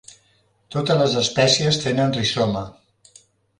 Totes les espècies tenen rizoma.